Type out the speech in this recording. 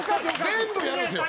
全部やるんですよ。